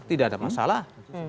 tidak ada masalah